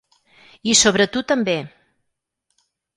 I sobre tu també!